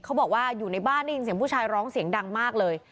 เขาบอกว่าอยู่ในบ้านได้ยินเสียงผู้ชายร้องเสียงดังมากเลย